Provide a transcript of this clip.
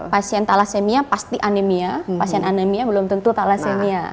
pasien thalassemia pasti anemia pasien anemia belum tentu thalassemia